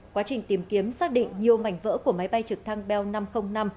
quá trình tìm kiếm xác định nhiều mảnh vỡ của máy bay trực thăng bel năm trăm linh năm